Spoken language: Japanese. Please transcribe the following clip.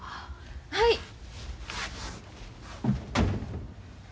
はい。